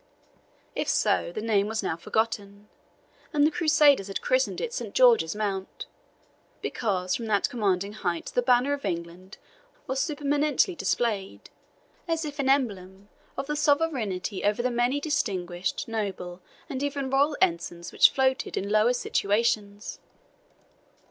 If so, the name was now forgotten, and the Crusaders had christened it Saint George's Mount, because from that commanding height the banner of England was supereminently displayed, as if an emblem of sovereignty over the many distinguished, noble, and even royal ensigns, which floated in lower situations.